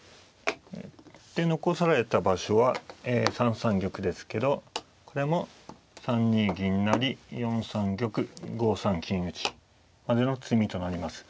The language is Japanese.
で残された場所は３三玉ですけどこれも３二銀成４三玉５三金打までの詰みとなります。